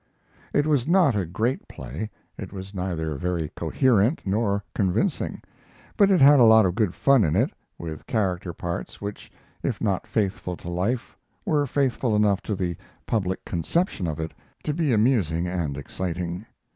It was not a great play. It was neither very coherent nor convincing, but it had a lot of good fun in it, with character parts which, if not faithful to life, were faithful enough to the public conception of it to be amusing and exciting.